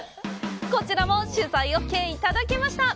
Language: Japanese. こちらも取材オーケーいただけました！